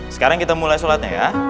sekarang kita mulai sholatnya ya